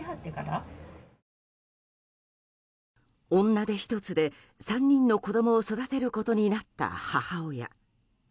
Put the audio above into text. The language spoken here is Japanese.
女手ひとつで３人の子供を育てることになった母親。